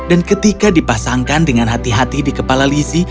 ketika dipasangkan dengan hati hati di kepala lizzie